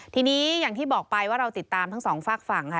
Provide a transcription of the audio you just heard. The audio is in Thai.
ทีนี้อย่างที่บอกไปว่าเราติดตามทั้งสองฝากฝั่งค่ะ